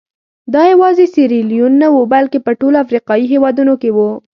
دا یوازې سیریلیون نه وو بلکې په ټولو افریقایي هېوادونو کې وو.